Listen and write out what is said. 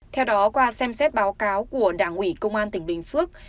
theo đó qua xem xét báo cáo của đảng ủy công an tỉnh bình phước